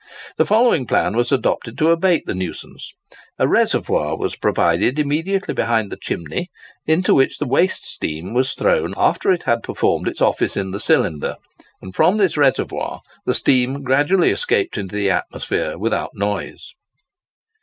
The following plan was adopted to abate the nuisance: a reservoir was provided immediately behind the chimney (as shown in the preceding cut) into which the waste steam was thrown after it had performed its office in the cylinder; and from this reservoir, the steam gradually escaped into the atmosphere without noise.